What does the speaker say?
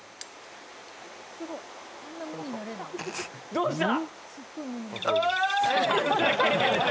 どうした？